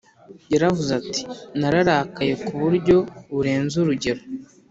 Yaravuze ati “nararakaye ku buryo burenze urugero”